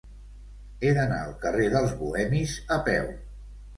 He d'anar al carrer dels Bohemis a peu.